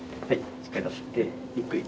しっかり立ってゆっくり。